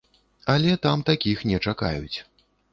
Але там такіх не чакаюць.